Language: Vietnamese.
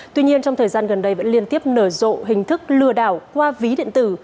tuy nhiên trong thời gian gần đây vẫn liên tiếp nở rộ hình thức lừa đảo qua ví điện tử